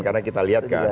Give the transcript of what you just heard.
karena kita lihat kan